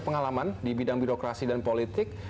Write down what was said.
pengalaman di bidang birokrasi dan politik